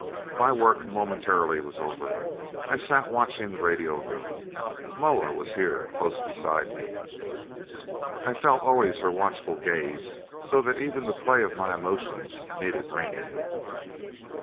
My work momentarily was over. I sat watching the radio room. Moa was here, close beside me. I felt always her watchful gaze, so that even the play of my emotions needed reining.